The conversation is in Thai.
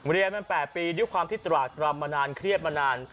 เรียนมา๘ปีด้วยความที่ตราดรำมานานเครียดมานาน